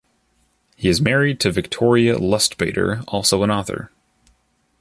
He is married to Victoria Lustbader, also an author.